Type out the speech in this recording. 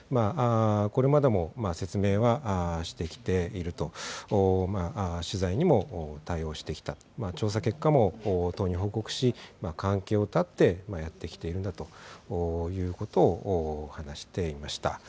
これまでも説明はしてきていると、取材にも対応してきた、調査結果も党に報告し、関係を断ってやってきているんだということを話していました。